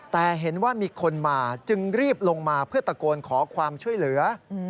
แต่เห็นว่ามีคนมาจึงรีบลงมาเพื่อตะโกนขอความช่วยเหลือ